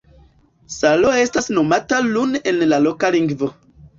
Salo estas nomata "Lun" en la loka lingvo.